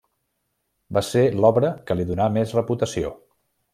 Va ser l'obra que li donà més reputació.